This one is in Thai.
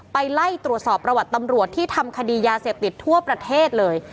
ไล่ตรวจสอบประวัติตำรวจที่ทำคดียาเสพติดทั่วประเทศเลย